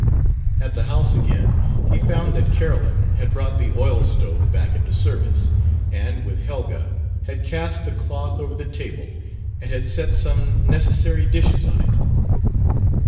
At the house again, he found that Carolyn had brought the oil stove back into service, and, with Helga, had cast the cloth over the table and had set some necessary dishes on it.